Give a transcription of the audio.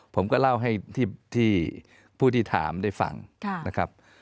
ผมก็เล่าให้ที่ผู้ที่ถามได้ฟังนะครับ